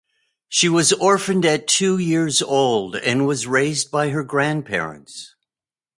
She was orphaned at two years old and was raised by her grandparents.